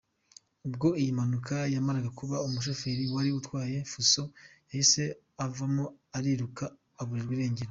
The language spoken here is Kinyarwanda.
Ubwo iyi mpanuka yamaraga kuba, umushoferi wari utwaye Fuso yahise avamo ariruka aburirwa irengero.